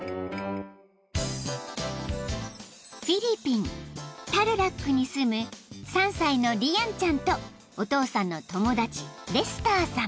［フィリピンタルラックに住む３歳のリアンちゃんとお父さんの友達レスターさん］